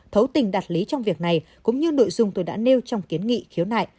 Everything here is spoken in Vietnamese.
thấu tình đạt lý trong việc này cũng như nội dung tôi đã nêu trong kiến nghị khiếu nại